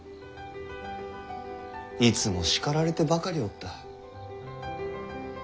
いつも叱られてばかりおった。